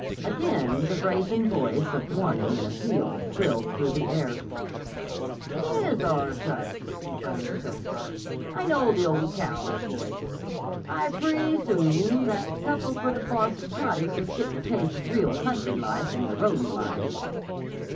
Again the brazen voice of warning and appeal thrilled through the air. "'T is our truck," confirmed the chauffeur. "I know the old caow's voice. I pree soom that couple for the boss's cottage is gettin' a taste of real country life in the roadin' line."